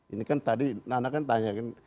ini kan tadi nana kan tanya kan